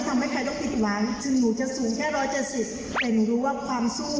แต่หนูรู้ว่าความสู้